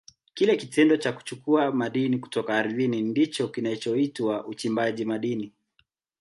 Kile kitendo cha kuchukua madini kutoka ardhini ndicho kinachoitwa uchimbaji madini.